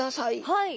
はい。